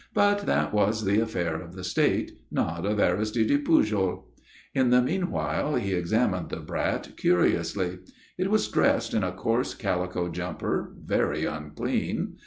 But that was the affair of the State, not of Aristide Pujol. In the meanwhile he examined the brat curiously. It was dressed in a coarse calico jumper, very unclean.